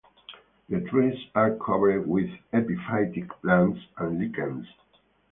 The trees are covered with epiphytic plants and lichens.